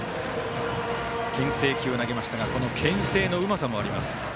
けん制球を投げましたがこのけん制のうまさもあります。